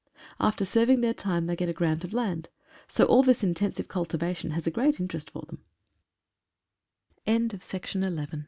After serving their time they get a grant of land. So all this intensive cultivation has a great interest for the